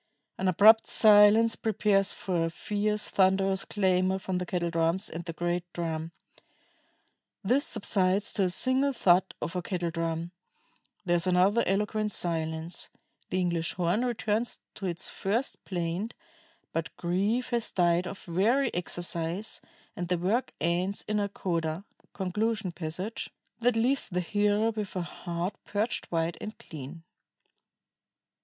An abrupt silence prepares for a fierce, thunderous clamor from the kettle drums and the great drum. This subsides to a single thud of a kettle drum; there is another eloquent silence; the English horn returns to its first plaint; but grief has died of very exercise, and the work ends in a coda [conclusion passage] that ... leaves the hearer with a heart purged white and clean."